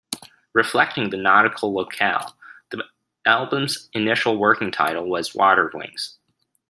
Reflecting the nautical locale, the album's initial working title was "Water Wings".